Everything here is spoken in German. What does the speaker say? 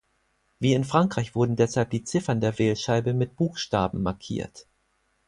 Wie in Frankreich wurden deshalb die Ziffern der Wählscheibe mit Buchstaben markiert.